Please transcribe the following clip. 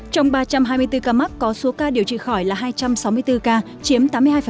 trong ba trăm hai mươi bốn ca mắc có số ca điều trị khỏi là hai trăm sáu mươi bốn ca chiếm tám mươi hai